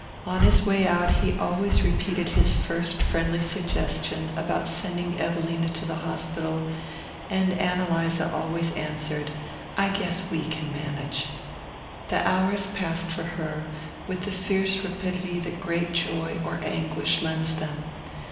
On his way out he always repeated his first friendly suggestion about sending Evelina to the hospital; and Ann Eliza always answered: "I guess we can manage." The hours passed for her with the fierce rapidity that great joy or anguish lends them.